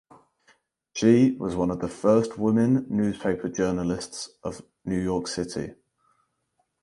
She was one of the first women newspaper journalists of New York City.